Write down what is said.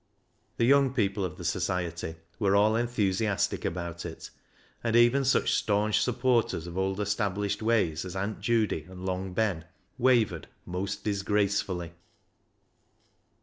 The young people of the Society were all enthusiastic about it, and even such staunch supporters of old established ways as Aunt Judy and Long Ben wavered most disgracefully.